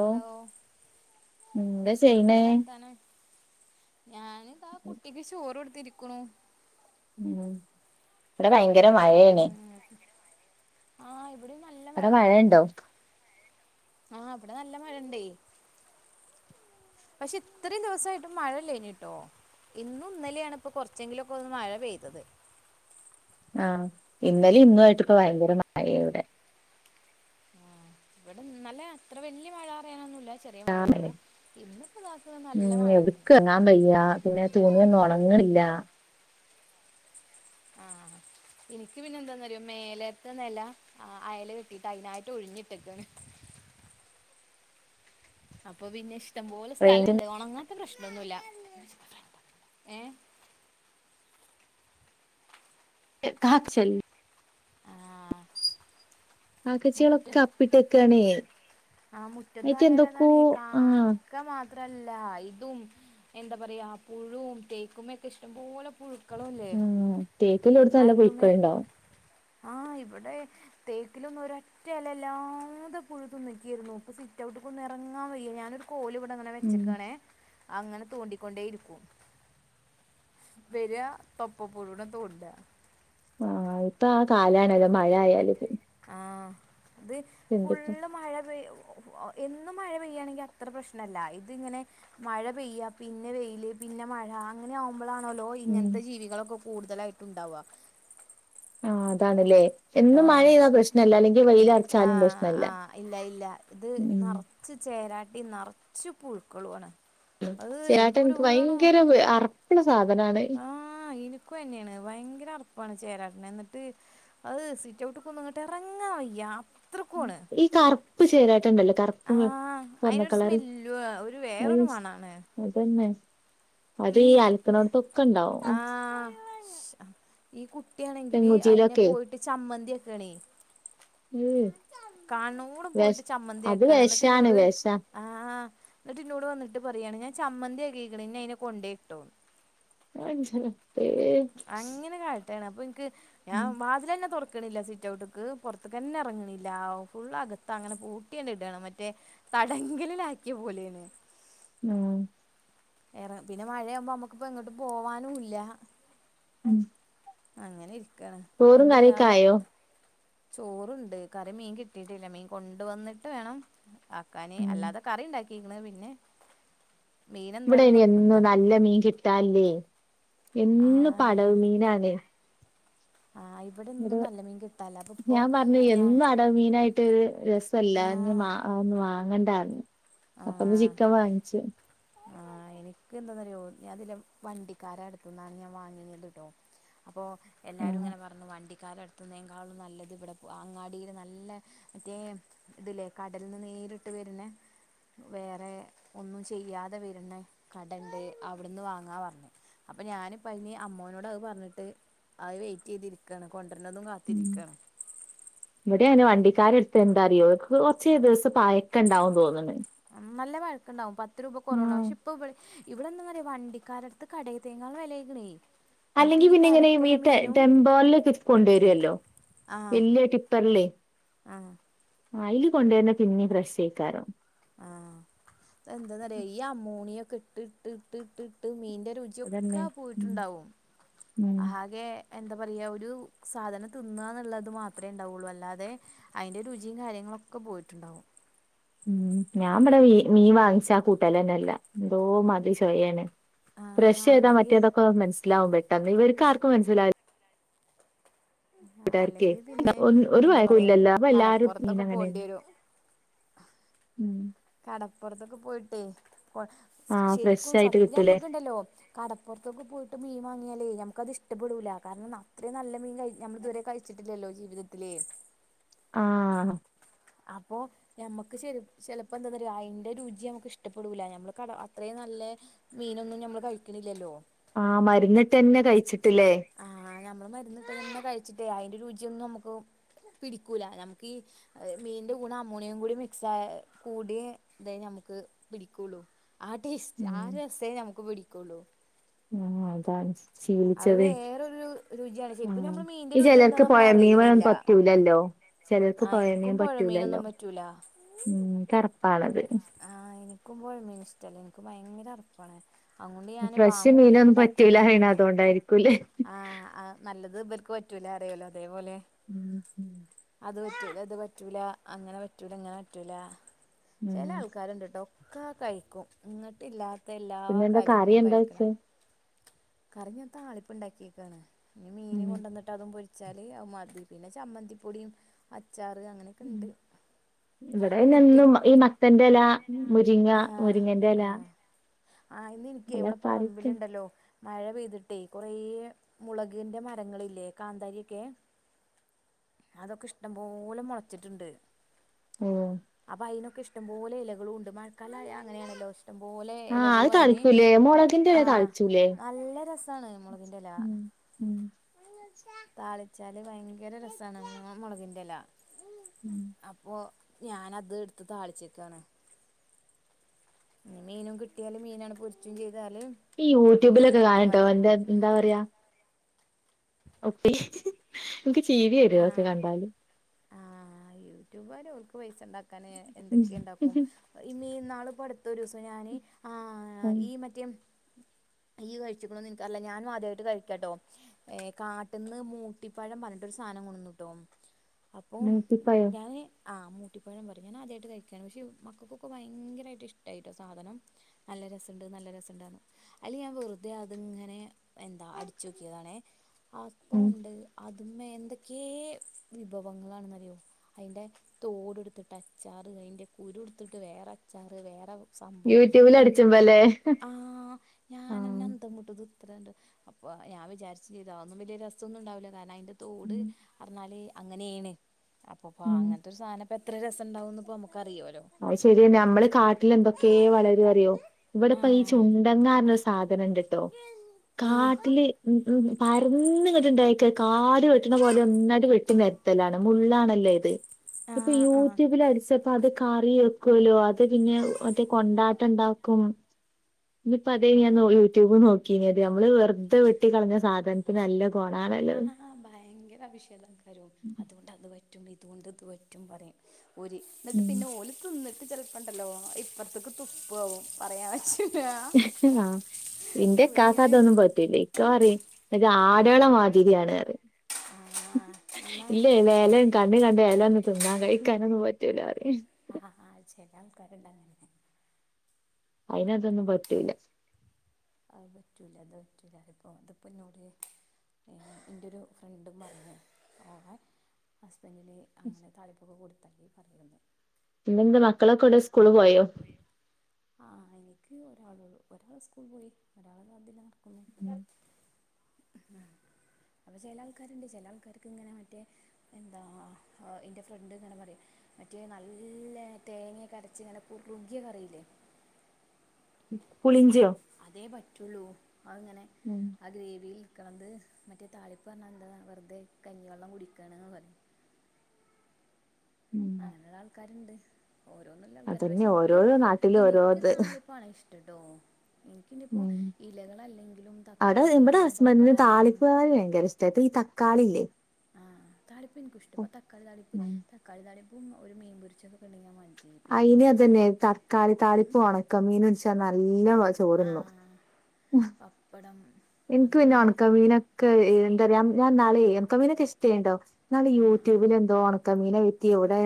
Hello എന്താ ചെയ്യണേ എന്താ വർത്താനം? ഞാൻ ഇതാ കുട്ടിക്ക് ചോറ് കൊട്ത്ത് ഇരിക്കുണു ഉം ഇബടെ ഭയങ്കര മഴെണ് ഉം ആഹ് ഇവിടിം നല്ല മഴ അവിടെ ഇണ്ട് ഇപ്പോ മഴയുണ്ടോ ആഹ് ഇബടെ നല്ല മഴ ഇണ്ടെയ് പക്ഷെ ഇത്രയും ദിവ്സായിട്ടും മഴ ഇല്ലെയ്നിട്ടോ ഇന്നും ഇന്നലിം ആണ് ഇപ്പം കൊറ്ച്ചെങ്കിലൊക്കെ ഒന്ന് മഴ പെയ്‌തെത്‌ ആഹ് ഇന്നലിം ഇന്നും ആയിറ്റ് ഇപ്പ ഭയങ്കര മ ഇവടെ ഇന്നല്ലെ അത്ര വല്ല്യ മഴാന്ന് പറിയാനൊന്നുല്ല്യ ചെറെ മഴ ഒള്ളു ഇന്ന്പ്പതാക്ക്ണ് നല്ല മഴ ഇണ്ട്. ങ്ങാന് വെയ്യാ പിന്നെ തുണിയൊന്നും ഒണങ്ങ്ണ്ല്ല്യാ ആഹ് ഇൻക്ക് പിന്നെ എന്താന്ന് അറ്യോ മേലത്തെ നെല അ അയല് കെട്ടീട്ട് അയിനായിട്ട് ഒഴിഞ്ഞ് ഇട്ടക്കാണ് അപ്പൊ പിന്നെ ഇഷ്ടം പോലെ സ്ഥലം ഇണ്ട് റേഞ്ചിന്റെ ഒണങ്ങാത്തെ പ്രശ്നൊന്നുല്ല്യ [unintelligible] ആ കാക്കച്ചാളൊക്കെ അപ്പി ഇട്ടക്കാണെയ് ആഹ് മുറ്റെത്ത് ആയാൽ അതാണെയ് കാ ക്ക മാത്രല്ല ഇതും എന്താ പറയാ പുഴും തേക്കുമോക്കെ ഇഷ്ടം പോലെ പുഴു ക്കളല്ലേ തേക്ക് ഇല്ലോട്ത്ത് നല്ല പുഴുക്കള്ണ്ടാവും ആഹ് ഇവിടെ തേക്കിലൊന്നും ഒരറ്റ എലല്ല്യാതെ പുഴുതിന്ന്ക്കേര്ന്നു ഇപ്പൊ സിറ്റൗട്ട്ക്കൊന്നും എറങ്ങാൻ വെയ്യ ഞാനൊരു കോല് ഇവ്ടെ ഇങ്ങനെ ഉം വെച്ചക്കാണേ അങ്ങനെ തോണ്ടിക്കൊണ്ടേയിരിക്കും വെര തൊപ്പ പുഴുനെ തോണ്ടാ ആഹ് ഇപ്പ ആ കാലാണല്ലോ മഴ ആയാല്ത് ആഹ് ഇത് എന്തൊക്കെ ഫുള്ള് മഴ പെയ്യ് എന്നും മഴ പെയ്യാണെങ്കിൽ അത്ര പ്രശ്നല്ല ഇത് ഇങ്ങനെ മഴ പെയ്യ പിന്നെ വെയില് പിന്നെ മഴ അങ്ങനാവു മ്പളാണോല്ലോ ഉം ഇങ്ങനത്തെ ജീവികളൊക്കെ കൂടുതലായിട്ടും ഇണ്ടാവ. ആഹ് അതാണ് ലേ എന്നും മഴ ആഹ് പെയ്താല് പ്രശ്നല്ല അല്ലെങ്കിൽ വെയില് അറച്ചാലും ആഹ് പ്രശ്നല്ല ഉം ച്ച് ചേരാട്ടിം നറച്ച് പുഴുക്കളും ആണ് അത് എന്തോര് പുഴു ആണോ അറപ്പ്ള്ള സാധനാണ്. ആഹ് ഇനിക്കും അതെന്നെയാണ് ഭയങ്കര അറപ്പാണ് ചേരാട്ടനെ എന്നിട്ട് അഹ് സിറ്റൗട്ട്ക്കൊന്നും ഇങ്ങട്ട് എറങ്ങാൻ വെയ്യ അ ഈ കറ്പ്പ് ചേരാട്ട ഇണ്ടല്ലോ കറ്പ്പും വെ ആഹ് സ്വർണ്ണ അയിനൊരു കളറ് സ്മെല്ലു ഒരു വേറൊരു [unintelligible] മണാണ് അതന്നെ. അത് ഈ അലക്കണോടത്തൊക്കെ ഉണ്ടാവും ആഹ് ഈ കുട്ടിയാണെങ്കില് അതിനെ പെങ്കുച്ചിയിലൊക്കെ പോയിട്ട് ചമ്മന്തി ആക്കാണെ അ് കാണ്ന്നോടം പോയിട്ട് ചമ്മന്തിയാക്കാണ് എന്നിട്ട് വെഷാണ് ഇന്നോട് വെഷ ആഹ് ഇന്നെട്ട് ഇന്നോട് വന്നിട്ട് പറയാണ് ഞാൻ ചമ്മന്തി ആക്കീക്ക്ണ് ഇനി അതിനെ കൊണ്ടൊയിട്ടോന്ന് [unintelligible] അങ്ങനെ കാട്ടാണ് അപ്പൊ ഇൻക്ക് ഞാൻ [unintelligible] വാതിലെന്നെ തൊറക്ക്ണില്ല സ്റ്റൗട്ട്ക്ക് പൊറത്ത്ക്കെന്നെ എറങ്ങ്ണില്ല ഫുൾ അകത്ത് അങ്ങനെ പൂട്ട്യാണ്ട് ഇടാണ് മറ്റേ തടങ്കലിലാക്ക്യ പോലെയാണ് ഉം വേറെ പിന്നെ മഴയാവ്മ്പോ നമ്മക്ക്പ്പം എങ്ങോട്ട് പോവാനുംല്ല ഉം. അങ്ങനെ ഇരിക്കാണ് എന്ത് ഇയാളെ ആയോ ചോറ്ണ്ട് കറി മീൻ കിട്ടിയിട്ടില്ല മീൻ കൊണ്ട് വന്നിട്ട് വേണം ആക്കാന് ഉം അല്ലാതെ കറി ഇണ്ടാക്കിക്ക്ണ് പിന്നെ മീൻ ഇവിടെ എന്തായാലും അയിന് എന്നും നിർബന്ധാണ് നല്ല മീൻ കിട്ടാന് ഇല്ലേ എന്നുംപ്പൊ ആഹ് അടവ് മീനാണെ ആഹ് ഇവിടൊന്നും നല്ല മീൻ കിട്ടാന് ഇല്ല അപ്പൊ ഇപ്പൊ ഞാൻ പറഞ്ഞു ഞാൻ എന്നും അടവ് മീനായിട്ട് രസല്ല അത് ഇഞ്ഞ് അതൊന്നും വാങ്ങണ്ട പറഞ്ഞു ആഹ് ന്ന് ചിക്കൻ വാങ്ങിച്ച് ആഹ് എനിക്ക് എന്താന്നറിയോ ഞാൻ ഇതിലെ വണ്ടിക്കാരെ അട്ത്ത്ന്നാണ് ഞാൻ വാങ്ങീനിയത്ട്ടോ അപ്പോ എല്ലാരും ആഹ് ഇങ്ങനെ പറഞ്ഞു വണ്ടി ക്കാരെ അട്ത്ത്ന്നേക്കാളും നല്ലത് ഇവിടെ അങ്ങാടീല് നല്ല മറ്റേ ഇത് ലേ കടല്ന്ന് നേരിട്ട് വെര്ണെ വേറെ ഒന്നും ചെയ്യാ തെ വെര്ന്ന കടണ്ട് അവിട്ന്ന് വാങ്ങാ പറഞ്ഞ് അപ്പൊ ഞാനിപ്പ ഇനി അമ്മോനോട് അത് പറഞ്ഞിട്ട്. അത് വെയിറ്റ് ചെയ്തിരിക്കാണ് കൊണ്ടുവരുന്നതും ഉം കാത്തിരിക്കാണ്. ഇവിടെ അങ്ങനെ വണ്ടിക്കാര എടുത്ത് എന്താറിയോ കുറച്ചേ ദിവസം പയൊക്കെ ഉണ്ടാവന്ന് തോന്നണ. നല്ല പഴക്കുണ്ടാവും പത്ത് രൂപ കുറവ ആഹ് പക്ഷെ ഇപ്പൊ ഇ. ഇവിടെ എന്താ പറയാ വണ്ടിക്കാര അടുത്ത് കടയിൽ തേങ്ങൾ വിലക്കണേ. അല്ലെങ്കിൽ പിന്നെ ഇങ്ങനെ ഈ ടെ ടെമ്പോള കൊണ്ടുവരുല്ലോ. ആഹ് വല്ല്യ ടിപ്പർല്ലേ. ആഹ് ആഹ് അതില് കൊണ്ടുവരന്ന പിന്നെ ഫ്രഷ് എക്കാരം ആഹ എന്താറയാ ഈ അമോണിയ ഒക്കെ ഇട്ട് ഇട്ട് ഇട്ട് ഇട്ട് ഇട്ട് മീന്റെ രുചി. അതന്നെ ഒക്കെ ഉം പോയിട്ടുണ്ടാവും ഉം ആകെ. എന്താ പറയുക ഒരു സാധനം തിന്നുക എന്നുള്ളത് മാത്രമേ ഉണ്ടാവുള്ളൂ അല്ലാതെ അതിൻന്റെ രുചിയും കാര്യങ്ങളൊക്കെ. ഒക്കെ പോയിട്ടുണ്ടാവും ഉം ഞാൻ വടെ മീൻ വാങ്ങിച്ചാ കൂട്ടലന്നെല്ല എന്തോ മതി ചോയാണ് ആഹ് ഫ്രഷ് ഏതാ അല്ലെങ്കിൽ മറ്റേതൊക്കെ മനസിലാവും പെട്ടെന്ന്. ഇവർക്ക് ആർക്കും മനസ്സില കൂട്ടാരത്തിയെയ് അല്ലെങ്കിൽ ന്ന പിന്നെ ഒന്ന് ഒരു എന്താ പറയാ പയക്കൂല്ലല്ലോ പ്പല്ലാരും കടപ്പുറത്തൊക്കെ മീനങ്ങനെയ് പോണ്ടി വരും ഉം കടപ്പുറത്തൊക്കെ പോയിട്ടേയ് കൊട ആഹ് ഫ്രഷ് ശരിക്കും ആയിട്ട് കിട്ടൂലേ സത്യത്തിലമ്മക്ക്ണ്ടല്ലോ? കടപ്പുറത്തൊക്കെ പോയിട്ട് മീൻ വാങ്ങിയാലയ് ഞമ്മക്കത്ഷ്ടപ്പെടൂല കാരണം അത്ര നല്ല മീൻ കഴ നമ്മളിത്വരെ കഴിച്ച ച്ചിട്ടില്ലല്ലോ ജീവിതത്തില് ആഹ് അപ്പൊ ഞമ്മക്ക് ചെല ചെലപ്പോന്താന്നറിയോ അയ്ന്റെ രുചി ഞമ്മക്ക് ഇഷ്ടപ്പെടൂല നമ്മള് കട അത്രയും നല്ല മീനൊന്നും ഞമ്മള് കഴിക്കണില്ലല്ലോ? ആഹ് മരുന്നിട്ട്ന്നെ കഴിച്ചിട്ടല്ലേ? ആഹ് ഞമ്മള് മരുന്നട്ടതന്നെ കഴിച്ചിട്ടേ അതിന്റെ രുചിയൊന്നും നമുക്ക് പിടിക്കൂല നമുക്ക് ഈ മീന്റെ കൂടെ അമോണിയം കൂടി മിക്സ് ആയ കൂടിയെ തെനു ഞമ്മുക്ക് പിടിക്കുള്ളൂ ആ ടേസ്റ്റ് ആ ഉം രസേ നമുക്ക് പിടിക്കുള്ളൂ ഉം അതാണ് അത് ശീലിച്ചതേ വേറൊരു രുചിയാണ് ശരിക്കും ഉം നമ്മള് മീനിന്റെ ഈ രുചി എന്താ ചിലർക്ക് നമ്മൾ പോയ മീനന്നും അറിയണില്ല പറ്റൂലല്ലോ ചെലർക്ക്‌ ആഹ് പൊയമീൻ എനിക്കും പറ്റൂലല്ലോ? പുഴമീനൊന്നും പറ്റൂല ഉം ഇക്കറപ്പാണതു ആഹ് ഇനിക്കും പൊഴമീന് ഇഷ്ടല്ലേ എനിക്ക് ഭയങ്കര അറപ്പാണ്. അങ്ങൊണ്ട് ഞാന് ഫ്രഷ് വാങ്ങൂല്ല മീനൊന്നും പറ്റൂല ണ്ടാക്കൂല്ല പറയണ ന്നൂല്ല അതോണ്ടായിരിക്കൂല്ലേ ആഹ് ആഹ് നല്ലത് ഇബൽക്ക് പറ്റൂല അറിയല്ലോ അതേപോലെ ഉം ഉം അത് പറ്റൂല ഇത് പറ്റൂല അങ്ങനെ പറ്റൂല ഇങ്ങനെ പറ്റൂല ചെല ഉം ആൾക്കാര്ണ്ട്ട്ടോ ഒക്കെ കയിക്കും ഇങ്ങട്ട്ല്ലാത്ത എല്ലാ പിന്നെന്താ കറി കാര്യങ്ങളും എന്താ വെച്ചേ കഴിക്കലാണ് കറി ഞ്ഞ താളിപ്പ് ണ്ടാക്കിയേക്കാണ് ഇനി മീൻ ഉം കൊണ്ടന്നിട്ട് ട്ടതും പൊരിച്ചാല് അത് മതി പിന്നെ ചമ്മന്തിപ്പൊടിയും അച്ചാറ് അങ്ങനെയൊക്കെണ്ട്. ഇവടെയ്നെന്നും ഈ മത്തന്റെല മുരിങ്ങ മുരിങ്ങന്റെല ആഹ് ഇന്ന് ഇൻക്കെയ് എല്ലാ വടെ കറിക്ക് പറമ്പിലുണ്ടല്ലോ? മഴ പെയ്തിട്ടേയ് കൊറെ മുളകിന്റെ മരങ്ങളില്ലേ കാന്താരി ഒക്കെ? അതൊക്കെ ഇഷ്ടംപോലെ മൊളച്ചിട്ട്ണ്ട് ഓഹ് അപ്പൊ അയിനൊക്കെ ഇഷ്ടംപോലെ ഇലകളുണ്ട്. മഴക്കാലായാ അങ്ങനെണല്ലോ? ഇഷ്ടംപോലെ എലക ആഹ് അത് അയ്ന് താളിക്കൂലേ മൊളകിന്റെല ആഹ് താളിച്ചൂലേ നല്ല രസാണ് മൊളകിന്റെല ഉം ഉം താളിച്ചാല് ഭയങ്കര രസാണല്ലോ മുളകിന്റെല ഉം അപ്പോ ഞാനത് എടുത്ത് താളിച്ചേക്കാണ് ഇനി മീനും കിട്ടിയല് മീനണ് പൊരിച്ചും ചെയ്താല് ഈ യൂട്യൂബിലൊക്കെ അത് കാണട്ടോ മതി എന്ത എന്താ പറയാ ഒട്ടി ഇൻക്ക് ചിരി വരും അതൊക്കെ ആഹ് കണ്ടാല് ആഹ് യൂട്യൂബാര് ഓൽക്ക് പൈസ ണ്ടാക്കാന് എന്തൊക്കെ ണ്ടാക്കും ഇമ്മേ ഇന്നാള് പ്പൊ അടുത്തൊരുസം ഞാന് ആഹ് ഉം ഈ മറ്റേ ഇയ്യ് കഴിച്ച്ക്ക്‌ണോന്ന് ഇൻക്കറിയില്ല ഞാൻ ആദ്യായിട്ട് കഴിക്കട്ടോ ഏഹ് കാട്ട്ന്ന് മൂട്ടിപ്പഴം പറഞ്ഞട്ട് ഒര് സാനം കൊണ്ടന്നുട്ടോ അപ്പം മൂക്കിപ്പായോ ഞാന് ആഹ് മൂട്ടിപ്പഴം പറയും ഞാനാദ്യായിട്ട് കഴിക്കാണ്. പക്ഷെ മക്കക്കൊക്കെ ഭയങ്കരയിട്ട് ഇഷ്ടായിട്ടോ സാധനം നല്ല രസണ്ട് നല്ല രസണ്ട് അർഞ്ഞു അയില് ഞാൻ വെറുതെ അത്ങ്ങനെ എന്താ അടിച്ചോക്കിയതാണേ ഉം അപ്പണ്ട് മ്മേ എന്തൊക്കെ വിഭവങ്ങളാണ് അറിയോ? അയിന്റെ തോട് ട്ത്തിട്ട് അച്ചാറ് അയ്ന്റെ കുരുട്ത്തിട്ട് വേറെ അച്ചാറ് വേറെ സംഭവം യൂട്യൂബിൽ എന്ത് അടിച്ചുമ്പല്ലേ ആഹ് ഞാനെന്ന ആഹ് അന്ധം വിട്ട് ഇത് ഇത്രണ്ട് അപ്പൊ ഞാൻ വിചാരിച്ച് ചെയ്ത് അതൊന്നുംവല്ല്യേ രസൊന്നും ണ്ടാവില്ല കാരണം അതിന്റെ തോട് ഉം പറഞ്ഞാല് അങ്ങനെണ് അപ്പോപ ഉം അങ്ങനത്തെരു സാധനം ഇപ്പോൾ എത്ര രസം ഉണ്ടാവുന്ന് നമുക്ക് അറിയോ അയ് ശരിന്നെ നമ്മള് കാട്ടില് എന്തൊക്കെ വളരും അറിയോ ഇവിടെപ്പം ഈ ആഹ് ചുണ്ടങ്ങാ അർഞ്ഞൊരു സാധനണ്ട്ട്ടോ ആഹ് കാട്ടില് പരന്ന് ങ്ങട്ട് ഇണ്ടായിക്ക കാട് വെട്ടണ പോലെ ഒന്നായിട്ട് വെട്ടി നെ രത്തലാണ് മുള്ളണല്ലോ ഇത് ഇപ്പൊ ആഹ് യൂട്യൂബില് അടച്ചപ്പോ അത് കറി വെക്കോല്ലോ അത് പിന്നെ മറ്റേ കൊണ്ടാട്ടം ഉണ്ടാക്കും ഇനിപ്പോ അതയ്ന് ഞാൻ ആഹ് യൂട്യൂബ് നോക്കിനത് നമ്മള് വെറതെ വെട്ടികളഞ്ഞ സാധനം നല്ല ഗൊണാണല്ലോ അത് ആഹ് ആഹ് ഭയങ്കര അഭിഷേദം അയ്ക്കാരം അതുകൊണ്ട് അത് പറ്റും ഇതുകൊണ്ട് ഇത് പറ്റും പറയും ഓര് എന്നിട്ട് ഉം പിന്നെ ഓല് തിന്നിട്ട് ചെലപ്പണ്ടല്ലോ ഇപ്പറത്തേക്ക് തുപ്പ ആവും പറയാൻ പറ്റൂല ആഹ് ന്റെ കാക്ക് ഓലിങ്ങനെ അതൊന്നും പറ്റൂല ഇക്ക പറയും ഇജ്ജ് ആടാള മാതിരിയാണ് പറയും ആഹ് എന്നാ ഇല്ലേ മേലെ കണ്ണു കണ്ട എലെന്നും തിന്നാൻ കഴിക്കാനൊന്നും പറ്റൂല പറയും ആഹ് ഹാ ചെലെ ആൾക്കാരുണ്ട് അങ്ങനെ അയ്ന് അതൊന്നും പറ്റൂല്ല അത് പറ്റൂല ഇത് പറ്റൂല അറിയും ഇതിപ്പം എന്നോട് ഏഹ് എന്റെരു ഫ്രണ്ടും പറഞ്ഞു ഓളെ ഹസ്ബൻന്റിന് അങ്ങനെ താളിപ്പൊക്കെ കൊടുത്താല് പറയുന്ന് എന്തെന്ന് മക്കളൊക്കെ എവടെ സ്കൂള് പോയോ ആഹ് എനിക്ക് ഒരാള് ഒള്ളൂ സ്കൂൾ പോയി ഒരാൾ ഇതാ ഇതിലെ നടക്കുന്നു ഇന്നാ ചില ആൾക്കാരുണ്ട് ചില ആൾക്കാർക്ക് ഇങ്ങനെ മറ്റേ എന്താ ഇന്റെ ഫ്രണ്ട് ഇങ്ങനെ പറയോയ് മറ്റേ നല്ല തേങ്ങ ഒക്കെ അരച്ച് ഇങ്ങനെ കുറുകിയ കറിയില്ലേ ഉം പുളിഞ്ചിയോ അതേ പറ്റുള്ളൂ അത് ഇങ്ങനെ ഉം ആ ഗ്രേവിയിൽ നിക്ക്ണത് മറ്റേ താളിപ്പ് പർഞ്ഞാൽ എന്താണ് വെറുതെ കഞ്ഞി വെള്ളം കുടിക്കാണ് ന്ന് പറയും ഉം അങ്ങനെയുള്ള ആൾക്കാരുണ്ട് ഓരോന്നുമ ആൾക്കാരുണ്ട് അതന്നെ പക്ഷെ എനിക്ക് ഓരോരോ നാട്ടിലും എനിക്ക് ഓരോത് താളി പ്പാണ് ഇഷ്ടട്ടോ എനിക്കിനി ഇപ്പോ ഇലകളല്ലെങ്കിലും തക്കാളി ആയാലും പപ്പടയാലും ക്കാളി ഭയങ്കര ഇഷ്ട [unintelligible] ഈ തക്കാളില്ലേ ആഹ് താളിപ്പ് എനിക്കു ഇഷ്ട ഇപ്പൊ തക്കാളി താളിപ്പ് തക്കാളി താളിപ്പും ഒരു മീൻപൊരിച്ചതൊക്കെണ്ടെങ്കി [unintelligible] അയിന് അതന്നെ തക്കാളി താളിപ്പു ഒണക്ക മീനുച്ചാ നല്ല ചോറുണ്ണും ആഹ് പപ്പടം ഇൻക്ക് പിന്നെ അതൊക്കെ ഒണക്കമീനൊക്കെ എന്താ റയാ ഞാൻ ന്നാളെയ് ഒണക്കമീനൊക്കെ ഇഷ്ടയ്ന്ട്ടോ ന്നാള് ആ ആ യൂട്യൂബിൽ എന്തോ ഒണക്കമീന കെത്തി ഇവിടെ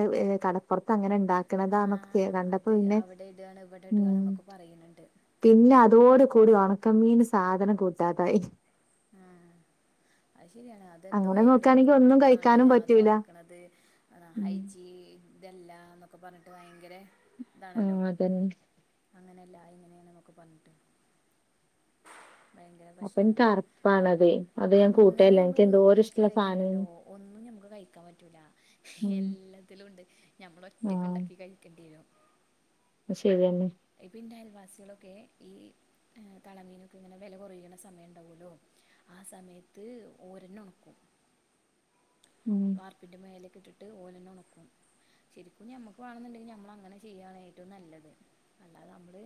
കടപ്പുറത്ത് അങ്ങനെ ഉണ്ടാ ക്ക്ണതാന്നൊക്കെ ആഹ് കണ്ടപ്പോ അത് പിന്നെ അവിടെ ഇടാണ് ഇവിടെ ഉം ഇടാണ് എന്നൊക്കെ പറയണണ്ട് പിന്നെ അതോട് കൂടി ഉണക്കമീൻ സാധനം കൂട്ടാതായി ആഹ് അത് ശരിയാണ് അ തെന്തോ അങ്ങനെ എവിടെയൊക്കെയോ നോക്കാണെങ്കി ഒന്നും ഇട്ടിട്ടാണ് കഴിക്കാനും അത് പറ്റൂല ഒണക്ക്ണത് ആഹ് ഉം ഹൈജി ഇതല്ല എന്നൊക്കെ പറഞ്ഞിട്ട് ഭയങ്കര ഇതാണല്ലോ ആഹ് അതന്നെ അങ്ങനെയല്ല ഇങ്ങനെയാണ് ന്നൊക്കെ പറഞ്ഞിട്ട് ഭയങ്കര അപ്പൊ എനിക്ക് പ്രശ്നാണ് അറപ്പാണത് അത് ഞാൻ അങ്ങനെ കൂട്ടേല്ല എനിക്ക് നമ്മള് എന്തോരം നോക്കി ഇഷ്ടള്ള കഴിഞ്ഞാണ്ടല്ലോ സാനേനി ഒന്നും നമ്മക്ക് കഴി ക്കാൻ പറ്റൂല ഉം എല്ലത്തിലും ഉണ്ട് നമ്മൾ ഒറ്റക്ക് ഉണ്ടാക്കി കഴിക്കേണ്ടി വരും ശെരിയെന്നെ ഇപ്പന്റെ അയൽവാസികളൊക്കെ ഈ തളമീനൊക്കെ ഇങ്ങനെ വെല കൊയ്ണ സമയം ഉണ്ടാവല്ലോ ആ സമയത്ത് ഓരന്ന ഉണക്കും ഉം വാർപ്പിന്റെ മേലക്കെ ഇട്ടിട്ട് ഓലന്നെ ഉണക്കും ശരിക്കും ഞമ്മക്ക് വേണെന്നുണ്ടെങ്കിൽ നമ്മള അങ്ങനെ ചെയ്യാണ് ഏറ്റവും നല്ലത് അല്ലാതെ നമ്മള്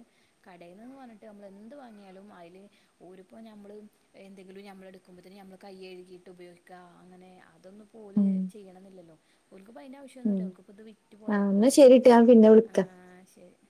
കടയിൽ നിന്ന് പർഞ്ഞിട്ട് നമ്മൾ എന്ത് വാങ്ങിയാലും അയ്ല് ഓരുപ്പോ ഞമ്മള് എന്തെങ്കിലും നമ്മള എടുക്കുമ്പോത്ത്ന് നമ്മള് കൈ കഴുകിയിട്ട് ഉപയോഗിക്ക അങ്ങനെ അതൊന്നും പോല് ഉം ചെയ്യണന്നില്ലല്ലോ ഓൽക്ക് പ്പൊ അയ്ന്റെ ഉം ആവശ്യന്നുല്ല ഓൽക്ക്പ്പം ഇത് വിറ്റു പോയാ ആഹ് എന്നാ പോരെ ശരിട്ടോ ഞാൻ പിന്നെ വിളിക്കാ ആഹ് ശരി